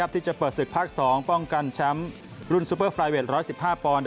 ที่จะเปิดศึกภาค๒ป้องกันแชมป์รุ่นซูเปอร์ไฟเวท๑๑๕ปอนด